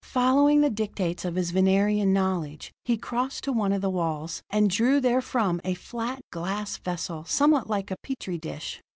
Following the dictates of his Venerian knowledge, he crossed to one of the walls, and drew therefrom a flat, glass vessel, somewhat like a petri dish.